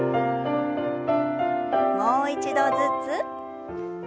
もう一度ずつ。